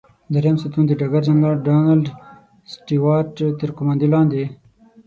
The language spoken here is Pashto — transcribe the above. دریم ستون د ډګر جنرال ډانلډ سټیوارټ تر قوماندې لاندې.